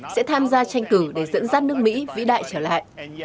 sẽ tham gia tranh cử để dẫn dắt nước mỹ vĩ đại trở lại